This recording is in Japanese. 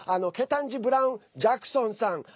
ケタンジ・ブラウン・ジャクソンさん。